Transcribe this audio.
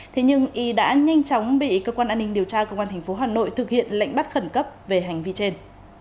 thế nhưng y đã nhanh chóng bị cơ quan an ninh điều tra công an tp hà nội thực hiện lệnh bắt khẩn cấp về hành vi trên